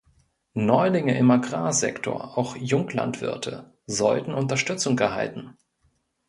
Neulinge im Agrarsektor, auch Junglandwirte, sollten Unterstützung erhalten.